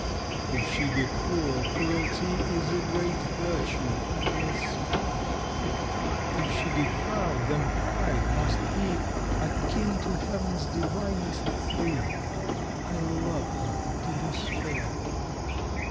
_ If she be cruel, cruelty Is a great virtue, I will swear; If she be proud then pride must be Akin to Heaven's divinest three _I love her to despair.